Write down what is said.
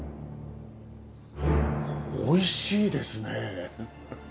美味しいですね。